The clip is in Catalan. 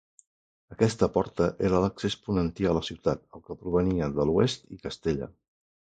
Aquesta porta era l'accés ponentí a la ciutat, el que provenia de l'oest i Castella.